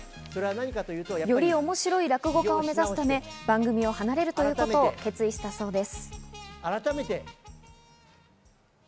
より面白い落語家を目指すため番組を離れるということを決意したそうです。